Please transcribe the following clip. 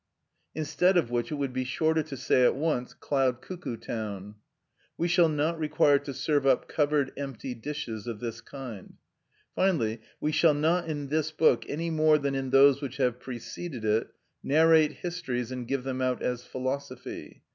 5), instead of which it would be shorter to say at once cloud cuckoo town (νεφελοκοκκυγια): we shall not require to serve up covered empty dishes of this kind. Finally, we shall not in this book, any more than in those which have preceded it, narrate histories and give them out as philosophy.